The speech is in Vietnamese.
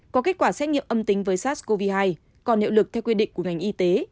có kết quả xét nghiệm âm tính với sars cov hai còn hiệu lực theo quy định của ngành y tế